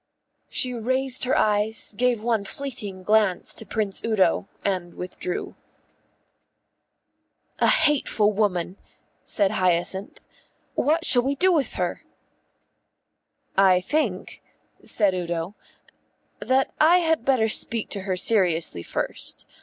She raised her eyes, gave one fleeting glance to Prince Udo, and withdrew. "A hateful woman," said Hyacinth. "What shall we do with her?" "I think," said Udo, "that I had better speak to her seriously first.